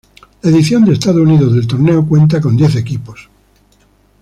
La edición de Estados Unidos del torneo cuenta con diez equipos.